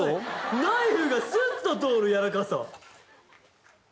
ナイフがスッと通る軟らかさ！